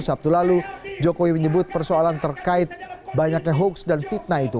sabtu lalu jokowi menyebut persoalan terkait banyaknya hoaks dan fitnah itu